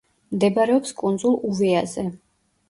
მდებარეობს კუნძულ უვეაზე.